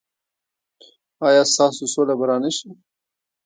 ایا ستاسو سوله به را نه شي؟